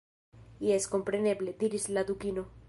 "Jes, kompreneble," diris la Dukino.